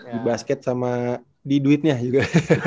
di basket sama di duitnya juga